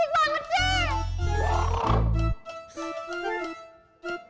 kalian bisik banget sih